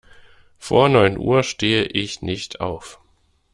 Vor neun Uhr stehe ich nicht auf.